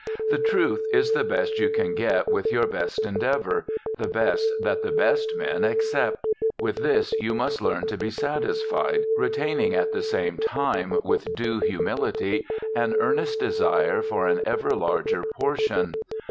The truth is the best you can get with your best endeavor, the best that the best men accept with this you must learn to be satisfied, retaining at the same time with due humility an earnest desire for an ever larger portion.